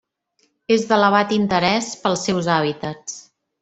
És d'elevat interès pels seus hàbitats.